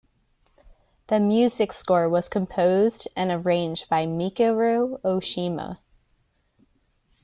The music score was composed and arranged by Michiru Oshima.